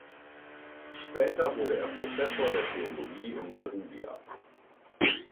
Später wurde er Professor der Theologie in Perugia.